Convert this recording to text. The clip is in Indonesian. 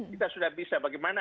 kita sudah bisa bagaimana